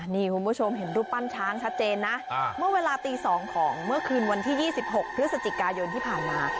นี่คุณผู้ชมเห็นรูปปั้นช้างชัดเจนนะเมื่อเวลาตี๒ของเมื่อคืนวันที่๒๖พฤศจิกายนที่ผ่านมา